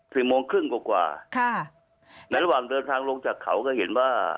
โมงครึ่งกว่ากว่าค่ะในระหว่างเดินทางลงจากเขาก็เห็นว่า